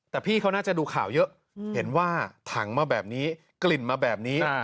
แต่พี่เขาน่าจะดูข่าวเยอะเห็นว่าถังมาแบบนี้กลิ่นมาแบบนี้